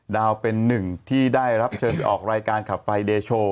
ดาวเป็นหนึ่งที่ได้รับเชิญไปออกรายการขับไฟเดโช